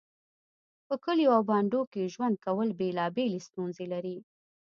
په کليو او بانډو کې ژوند کول بيلابيلې ستونزې لري